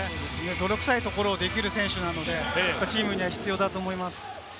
泥臭いところをできる選手なので、チームには必要だと思います。